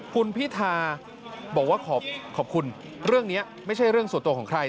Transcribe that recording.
คุณพิธาบอกว่าขอบคุณเรื่องนี้ไม่ใช่เรื่องส่วนตัวของใคร